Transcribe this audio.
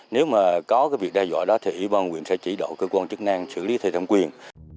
nếu mà có cái việc đe dọa đó thì ủy ban hội nguyện sẽ chỉ đổ cơ quan chức năng xử lý thay thống quyền